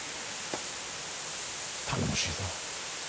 頼もしいぞ。